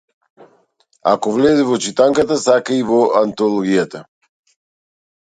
Ако влезе во читанка, сака и во антологија.